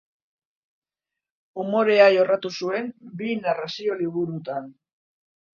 Umorea jorratu zuen, bi narrazio liburutan.